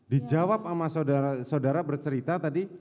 dijawab sama saudara bercerita tadi